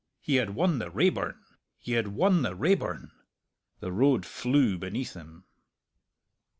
He had won the Raeburn he had won the Raeburn! The road flew beneath him.